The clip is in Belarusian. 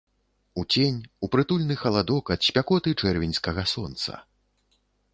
У цень, у прытульны халадок ад спякоты чэрвеньскага сонца!